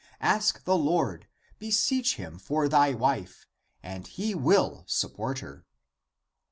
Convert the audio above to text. Ask the Lord, beseech Him for thy wife, and He will support her."